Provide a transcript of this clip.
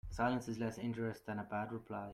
Silence is less injurious than a bad reply.